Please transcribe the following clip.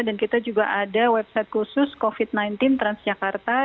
dan kita juga ada website khusus covid sembilan belas transjakarta